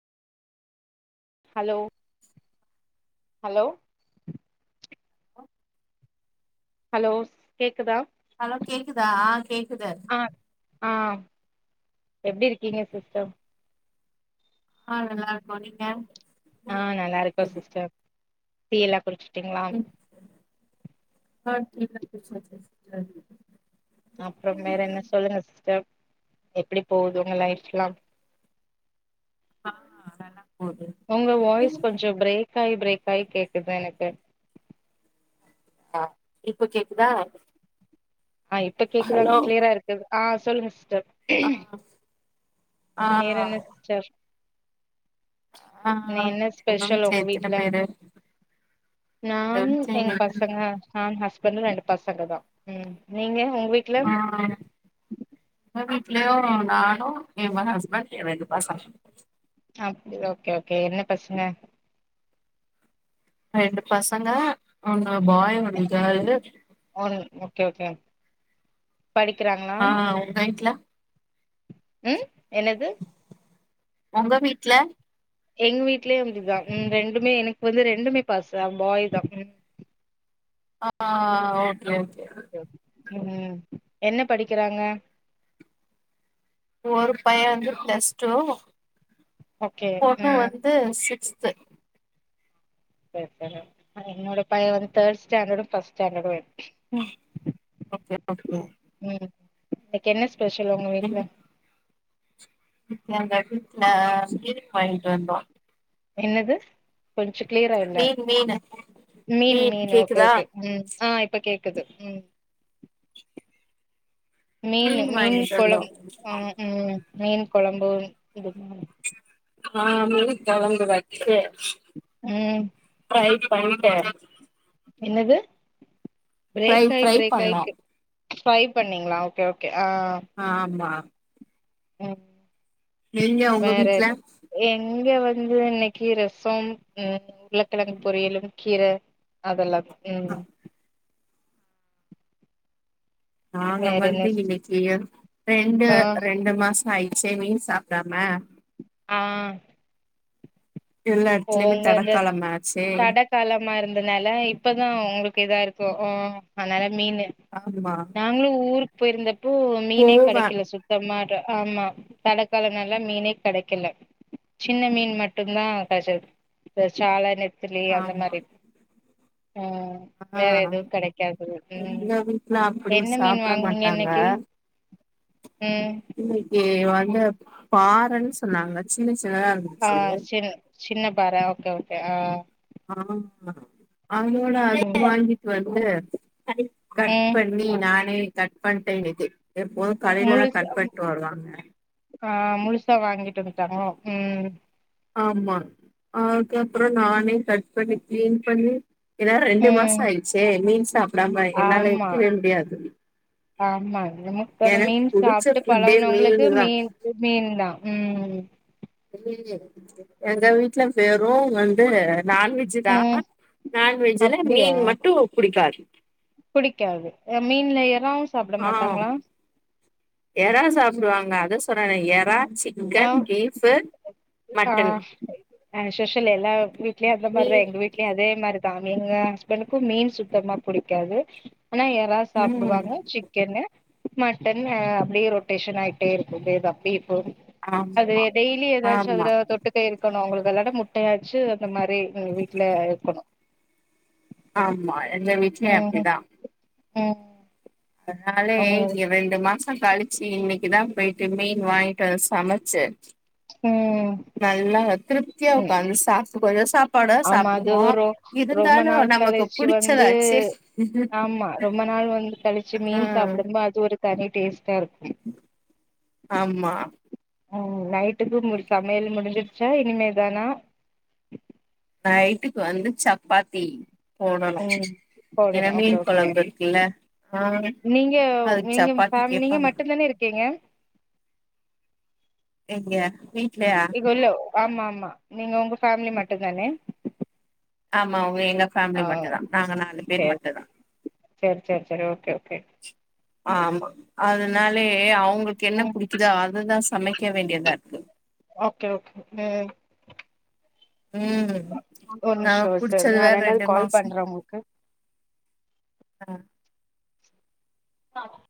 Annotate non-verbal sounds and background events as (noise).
hello hello (inaudible) hello கேக்குதா hello கேக்குதா ஆஹ் கேக்குது ஆஹ் எப்டி இருக்கீங்க சிஸ்டர் ஆ நல்லா இருக்கோம் நீங்க ஆஹ் நல்லா இருக்கோ சிஸ்டர் டீ எல்லாம் குடுச்சி ட்டீங்களா ஆஹ் டீ எல்லாம் குடிச்சாசீங்க சிஸ்டர் அப்பறம் வேற என்ன சொல்லுங்க சிஸ்டர் எப்டி போகுது உங்க லைப்லாம் ஆ, நல்லா போது உங்க வாய்ஸ் கொஞ்சம் பிரேக் ஆகி பிரேக் கை கேக்குது எனக்கு ஆஹ் இப்ப கேக்குதா ஆஹ் இப்ப கேக்குதாங்க கிளியரா இருக்குது ஆ சொல்லுங்க சிஸ்டர் ஆஹ் வேற என்ன சிஸ்டர் ஆ இன்ன என்ன ஸ்பெஷல் வீட்ல உங்க எத்தன வீட்டுல பேரு எங்க நானு வீட்ல எங்க இன்னைக்கு பசங்க நா ஹஸ் ஹஸ்பண்டு ரெண்டு பசங்க தா உங்க வீட்ல நோ நானும் ஏன் ஹஸ்பண்ட் ஏன் ரெண்டு பசங்க அப்படியா ஓகே ஓகே என்ன பசங்க ரெண்டு பசங்க உம் ஆஹ் பாய் ஒன்னு கேர்ள்ளு ஒன் ஓகே ஓகே ஆஹ் உங்க வீட்ல உம் என்னது உங்க வீட்ல எங்க வீட்லயு அப்டிதா உம் ரெண்டுமே எனக்கு வந்து ரெண்டுமே பாஸ் பாய் தா உம் ஆஹ்ஹ் ஓ (unintelligible) உம் என்ன படிக்கிறாங்க ஒரு பைய்ய வந்து பிளஸ்டு ஓகே பொண்ணு ம் வந்து சிக்ஸ் (unintelligible) செரி செரி என்னோட பையவந்து தேர்ட் ஸ்டாண்டடு ஃபஸ்ட் ஸ்டாண்டடு (unintelligible) எனக் கென்ன பெஷல் உங்க வீட்ல எங்க வீட்ல கேக் வாங்கிட்டு வந்தோ என்னது கொஞ்ச கிளியரா இல்ல மீன் மீனு மீன் மீன்-மீன் ஓகே கேக்குதா ஓகே உம் ஆஹ் இப்ப கேக்குது உஹம் மீனு மீன் வாங்கிட்டு வந்தோ கொளம் ஹா உம் மீன் கொழம்பு இது ஆஹ மீன் குழம்பு வச்சே உஹம் (unintelligible) என்னது ப்ரை ப்ரை பண்ணோ ப்ரை பண்ணிங்ளா ஓகே ஓகே ஆஹ் ஆமா உஹம் நீங்க உங்க வீட்ல இங்க வந்து இன்னிக்கு ரசோம் உம் உருளகிலங்கு பொரிலு கீரை அதெலா தா உம் நாங்க வேற என்ன வந்து ஸ் இன்னைக்கு ஆ ரெண்டு-ரெண்டு மாசோ ஆய் செரி மீனு சாப்டாம ஆஹ் எல்லா எடத்துலயுமே ஓங்களு தடக்காளம் ஆச்சே தட காலமா இருந்தனால இப்பதா உங்களு இங்கதா இருக்கு ம் அதனால மீனு ஆமா நாங்களும் ஊரு பேயிருந்தப் அப்போ மீனே போவே கடைக்கல சுத்தமா ஆமா தடைக்காலம் நல்லா மீனே கிடைக்கல சின்ன மீன் மட்டுமாதான் (unintelligible) சாழ நேத் நெந்திலக அந்த ஆமா மாரி உஹம் வேற ஆ எதுவும் கிடைக்காது உம் எங்க வீட்ல அப்டி என்ன மீன் சாப்ட வாங்குனீங்க மாட்டாங்க இன்னைக்கு ம் வந்து என் பாறைன்னு சொன்னாங்க சின்ன சின்னதா இருந்துச்சு ஆஹ் ஆஹ் அவளோட ம் அ வாங்கிட்டு வந்து கட் ம் பண்ணி நானே தட பட்டனது எப்போதும் மு கடையில தான் கப்பட்டு வருவாங்க ஆஹ் முழுசா வாங்கிட்டு வந்துட்டாங்கோ உம் ஆமா அக்கப்புறம் நானே தச் பண்ணி கிலின் பண்ணி இதா ரெண்டு ம் மாசம் ஆயிடுச்சே மீன் சாப்டாம என்னால ஆமா இருக்கவே முடியாது ஆமா நமக்கு அந்த எனக்கு மீன் புடிச்ச சாப்பிட்டு ஃபுட்டே பழகனவங்களுக்கு மீனுதா மீன் மீன் தான் உம் எங்கவிட்டு இல்ல வேற வன்சு நான்வெஜ்ஜ் ம் தான் நான்வெஜ்ஜல அப்டியா மீன் மட்டும் புடிக்காது இறால் ஆஹ் இறா சாப்பிடுவாங்க இதா சொன்னனே இறா சிக்கன் பிப்ஃ ஆஹ் ஆஹ் சோஷல் எல்லா வீட்லே அந்த மாரி தான் மீன் எங்க வீட்டிலிம் அதே அது தான் எங்க ஹஸ்பண்டுக்கும் மீன் சுத்தமா பிடிக்காது ஆனா இறா ம் சாப்பிடுவாங்க சிக்கன்னு மட்டன் அப்படியே ரொட்டேஷன் ஆயிட்டே இருக்கு இது அப்படி அது ஆமா டேய்லி ஏதாச்சு ஆமா அதவிட தொட்டு இருக்கு இருக்கணும் உங்களுக்கு விளாட முட்டையாச்சு அந்த மாரி வீட்ல இருக்கணும் ஆமா எந்த வீட்ல அப்டிதான் ம் அதுனாலே ம் இ ரெண்டு மாசம் கழிச்சி இதா பேயிட்டு மீன் வாங்கிட்டு வந்து சமச்சி ம் நல்லா திருப்தியா ம் உக்காந்து சாப்டு கொஞ்ச சாப்ப ஆமா அது ரொ ரொம்ப நாள் நமக்கு கழிச்சு வந்து புடிச்சதாச்சே ஆமா ரொம்ப நாள் வந்து கழிச்சு மீன் ம் சாப்பிடும்போ அது ஒரு தனி டேஸ் ஆமா ம் நைட்டுக்கு சமையல் முடிஞ்சிருச்சா இனிமேதானா நைட்டுக்கு வந்து சப்பாத்தி போடணு ம் ஏன்னா போடுங்க ஓ மீன் ஓகே கொழம்பு இருக்குல்ல ஆ நீங்க அதுக்கு சப்பாத்தி நீங்க கேப்பாங்க மட்டும்தானே இருக்கீங்க நீ இகொல்லோ ஆமா ஆமா நீங்க உங்க ஃபேமிலி மட்டு தான ஆமா எங்க ஃபேமிலி மட்டு தா நாங்க நாலு பேர் சேரி மட்டு தா சேரி சேரி சேரி ஓகே ஓகே ஆமா அதுனால அவுங்களுக்கு என்ன ம் பிடிக்குதோ அதுதா சமைக்க வேண்டியதா இருக்கு ஓகே ஓகே ம் ம் ஒரு நா நிமிஷோ சார் புடிச்சது நா ரெண்டாவது ரெண்டு கால் மாச பண்றே உங்களுக்கு ஆ ஆ